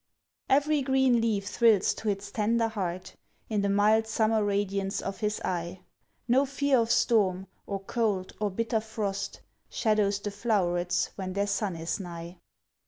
Every green leaf thrills to its tender heart, In the mild summer radiance of his eye; No fear of storm, or cold, or bitter frost, Shadows the flowerets when their sun is nigh.